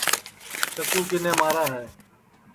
چکُو کِنے مارا ہے